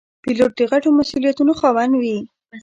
پیلوټ د غټو مسوولیتونو خاوند وي.